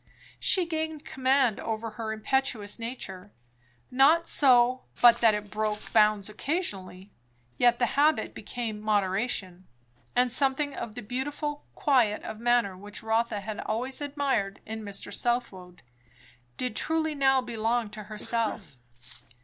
She gained command over her impetuous nature, not so but that it broke bounds occasionally; yet the habit became moderation, and something of the beautiful quiet of manner which Rotha had always admired in Mr. Southwode, did truly now belong to herself.